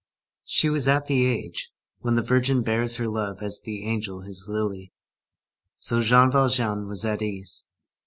She was at the age when the virgin bears her love as the angel his lily. So Jean Valjean was at ease.